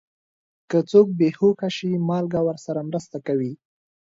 که څوک بې هوښه شي، مالګه ورسره مرسته کوي.